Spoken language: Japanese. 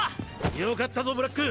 よかったぞブラック！